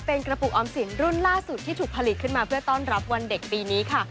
เป็นกระปุกออมสินรุ่นล่าสุดที่ถูกผลิตขึ้นมาเพื่อต้อนรับวันเด็กปีนี้ค่ะ